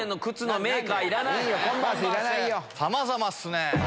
さまざまっすね。